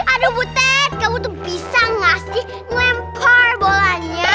aduh butet kamu tuh bisa ngasih melempar bolanya